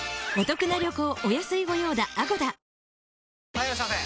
・はいいらっしゃいませ！